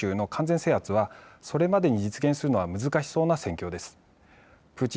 州の完全制圧はそれまでに実現するのは難しそうな戦況です。